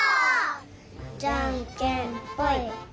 じゃんけんぽい。